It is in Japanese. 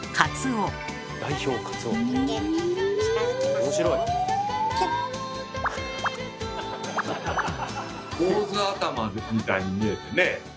坊主頭みたいに見えてね